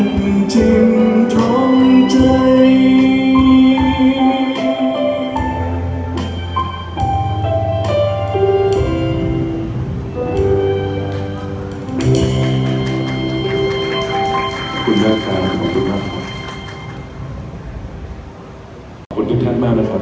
แม้น้ำตาลใกล้หมด